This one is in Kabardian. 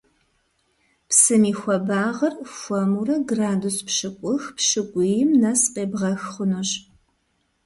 Псым и хуабагъыр хуэмурэ градус пщыкӀух – пщыкӀуийм нэс къебгъэх хъунущ.